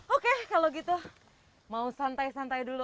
oke kalau gitu mau santai santai dulu